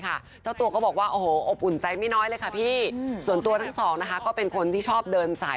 เราอาจจะไม่ได้ควรมีเซ็นต์ขนาดนั้นเนอะแต่ว่าหลวงพ่อสวดแบบตั้งใจสวดมาก